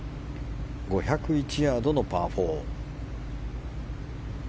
５０１ヤードのパー４。